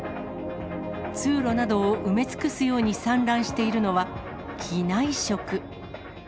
通路などを埋め尽くすように散乱しているのは、機内食。